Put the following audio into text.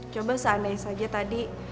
coba seandainya saja tadi